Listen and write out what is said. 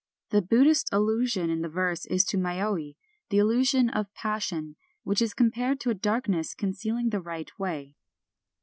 The Buddhist allusion in the verse is to mayoi, the illusion of passion, which is compared to a darkness concealing the Right Way.